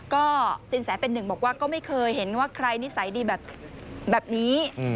ก็สินแสเป็นหนึ่งบอกว่าก็ไม่เคยเห็นว่าใครนิสัยดีแบบนี้